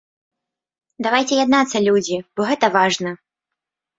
Давайце яднацца, людзі, бо гэта важна!